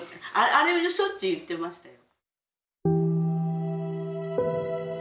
あれをしょっちゅう言ってましたよ。